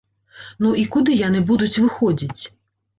Ну і куды яны будуць выходзіць?